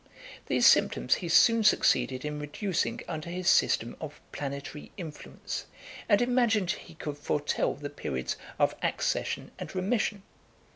These symptoms he soon succeeded in reducing under his system of planetary influence, and imagined he could foretell the periods of accession and remission.